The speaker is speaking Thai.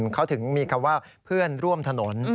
เขาถึงมีคำว่าเพื่อนร่วมถนน